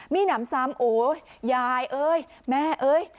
มีหนำซ้ำโอ้ยยายเอ้ยแม่เอ้ย